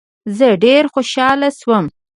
زه ډیر خوشحاله سوم.